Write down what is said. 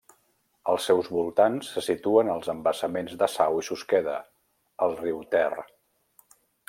Als seus voltants se situen els embassaments de Sau i Susqueda, al riu Ter.